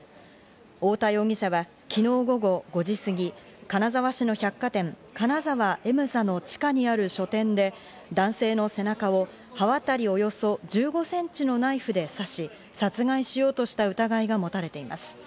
大田容疑者は昨日午後５時過ぎ、金沢市の百貨店、金沢エムザの地下にある書店で男性の背中を刃渡りおよそ１５ｃｍのナイフで刺し殺害しようとした疑いが持たれています。